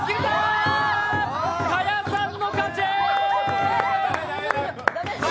賀屋さんの勝ち！